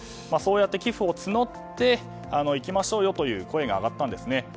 そうやって寄付を募っていきましょうという声が上がったんですね。